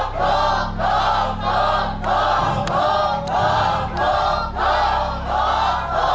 ถูก